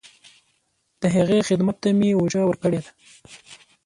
د هغې خدمت ته مې اوږه ورکړې ده.